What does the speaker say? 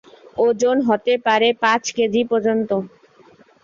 ওজন হতে পারে পাঁচ কেজি পর্যন্ত।